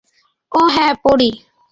ওহ, হ্যাঁ পড়ি।